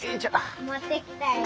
持ってきたよ。